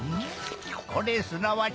これすなわち。